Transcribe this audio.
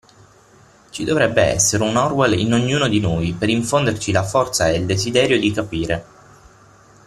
Ci dovrebbe essere un Orwell in ognuno di noi per infonderci la forza ed il desiderio di capire.